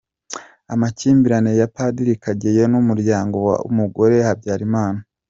Amakimbirane ya padiri Kageyo n’umuryango wa Umugore wa Habyarimana.